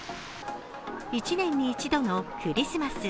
１年に１度のクリスマス。